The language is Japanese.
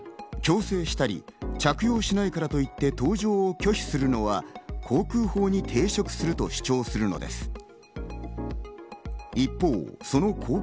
強制したり着用しないからといって搭乗を拒否するのは航空法に抵触すると主張するのです。